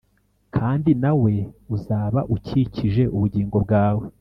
kandi nawe uzaba ukijije ubugingo bwawe.